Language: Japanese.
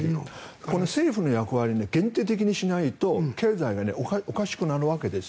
この政府の役割を限定的にしないと経済がおかしくなるわけです。